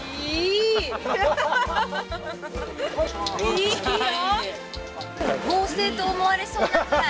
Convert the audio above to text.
いいよ！